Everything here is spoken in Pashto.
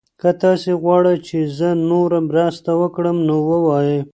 که تاسي غواړئ چې زه نوره مرسته وکړم نو ووایئ.